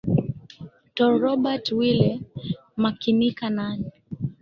tor robert wile makinika nami